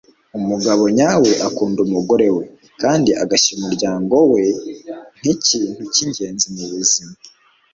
umugabo nyawe akunda umugore we, kandi agashyira umuryango we nkikintu cyingenzi mubuzima